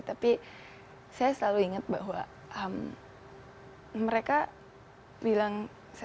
tapi saya selalu ingat bahwa mereka bilang